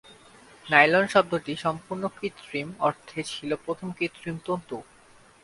Nylon শব্দটি "সম্পূর্ণ কৃত্রিম" অর্থে ছিল প্রথম কৃত্রিম তন্তু।